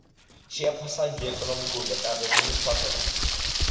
შეაფასა იგი ეკონომიკური და სტრატეგიული თვალსაზრისით.